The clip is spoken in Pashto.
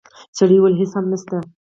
سړی وویل: هیڅ هم نشته.